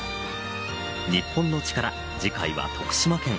『日本のチカラ』次回は徳島県。